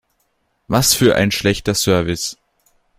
Was für ein schlechter Service!